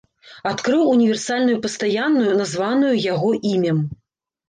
Адкрыў універсальную пастаянную, названую яго імем.